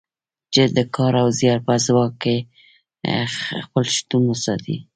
چې د کار او زیار په ځواک خپل شتون وساتي.